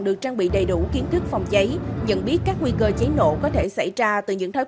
có thể đầy đủ kiến thức phòng cháy nhận biết các nguy cơ cháy nổ có thể xảy ra từ những thói